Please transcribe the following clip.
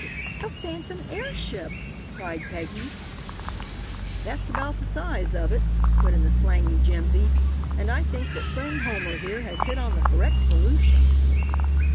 "A phantom airship!" cried Peggy. "That's about the size of it," put in the slangy Jimsy, "and I think that friend Homer here has hit on the correct solution."